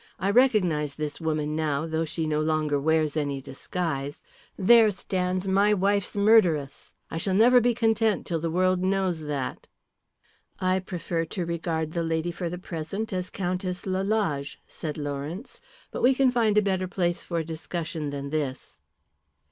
"I recognise this woman now, though she no longer wears any disguise. There stands my wife's murderess. I shall never be content till the world knows that." "I prefer to regard the lady for the present as Countess Lalage," said Lawrence. "But we can find a better place for discussion than this."